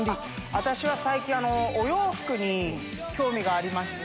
私は最近お洋服に興味がありまして。